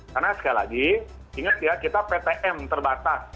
karena sekali lagi ingat ya kita ptm terbatas